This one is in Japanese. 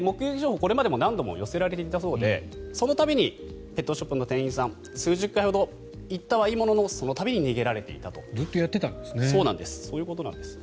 これまでも何度も寄せられていたそうでその度にペットショップの店員さんは数十回ほど行ったはいいもののずっとやってたんですね。